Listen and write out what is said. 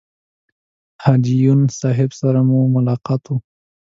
د حاجي یون صاحب سره مو ملاقات و.